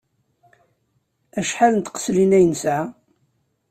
Acḥal n tqeslin i nesɛa?